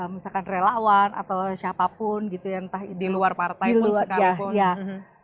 misalkan relawan atau siapapun gitu ya entah di luar partai pun sekalipun